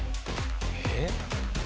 ・えっ？